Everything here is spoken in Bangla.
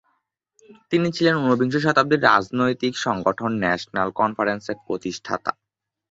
তিনি ছিলেন ঊনবিংশ শতাব্দীর রাজনৈতিক সংগঠন ন্যাশনাল কনফারেন্সের প্রতিষ্ঠাতা।